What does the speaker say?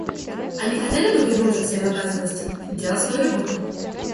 Они хотели бы вернуться к своим обязанностям и делать свою работу.